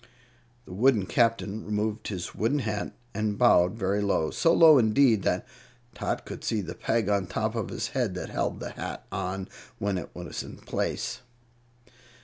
The wooden Captain removed his wooden hat and bowed very low, so low indeed that Tot could see the peg on the top of his head that held the hat on when it was in place.